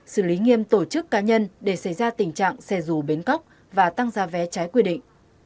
xử lý nghiêm tổ chức cá nhân để xảy ra tình trạng xe rù bến cóc và tăng ra vé trái quy định